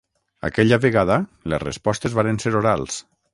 Aquella vegada, les respostes varen ser orals.